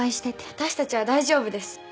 私たちは大丈夫です。